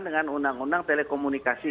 dengan undang undang telekomunikasi